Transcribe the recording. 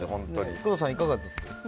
工藤さん、いかがだったですか。